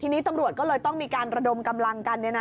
ทีนี้ตำรวจก็เลยต้องมีการระดมกำลังกัน